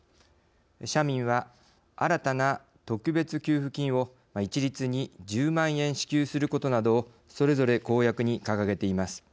社民は、新たな特別給付金を一律に１０万円支給することなどをそれぞれ公約に掲げています。